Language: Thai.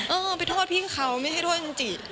เออไปโทษพี่เขาไม่ใช่โทษจิ้นจิ